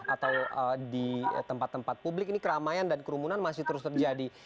atau di tempat tempat publik ini keramaian dan kerumunan masih terus terjadi